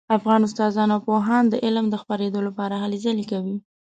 افغان استادان او پوهان د علم د خپریدو لپاره هلې ځلې کوي